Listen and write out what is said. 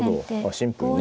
シンプルにね。